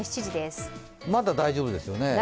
まだ大丈夫ですね。